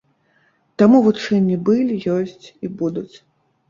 Таму вучэнні былі, ёсць і будуць.